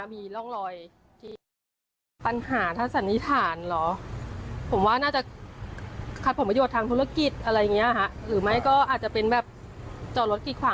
ไม่ทราบสาเหตุที่แน่ชัด